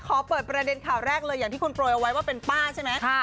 ขอเปิดประเด็นข่าวแรกเลยอย่างที่คุณโปรยเอาไว้ว่าเป็นป้าใช่ไหม